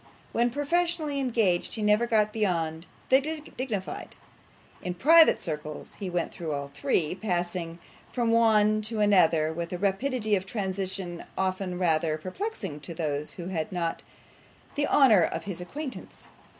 When professionally engaged he never got beyond the dignified; in private circles he went through all three, passing from one to another with a rapidity of transition often rather perplexing to those who had not the honour of his acquaintance.